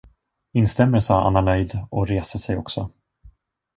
Instämmer, sade Anna Nöjd och reste sig också.